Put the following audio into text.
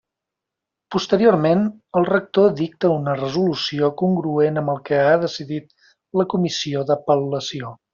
Posteriorment, el rector dicta una resolució congruent amb el que ha decidit la Comissió d'Apel·lació.